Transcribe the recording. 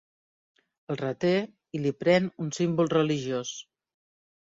El reté i li pren un símbol religiós.